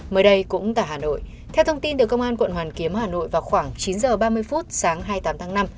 mới đây cũng tại hà nội theo thông tin từ công an quận hoàn kiếm hà nội vào khoảng chín h ba mươi phút sáng hai mươi tám tháng năm